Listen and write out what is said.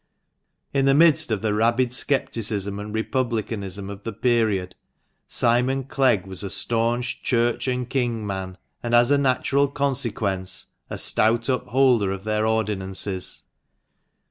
In the midst of the rabid scepticism and Republicanism of the period, Simon Clegg was a staunch " Church and King " man, and, as a natural consequence, a stout upholder of their ordinances.